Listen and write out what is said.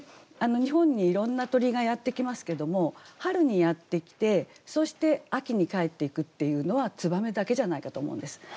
日本にいろんな鳥がやって来ますけども春にやって来てそして秋に帰っていくっていうのは燕だけじゃないかと思うんです。